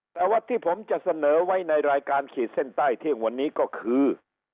แต่ว่าที่ผมจะเสนอไว้ในรายการขีดเส้นใต้เที่ยงวันนี้ก็คือ